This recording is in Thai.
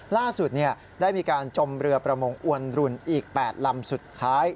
ล่าสุดได้มีการจมเรือประมงอวนรุนอีก๘ลำสุดท้าย